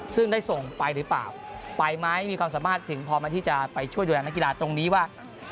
ซึ่งได้ส่งไปหรือเปล่าไปไหมมีความสามารถถึงพอไหมที่จะไปช่วยดูแลนักกีฬาตรงนี้ว่า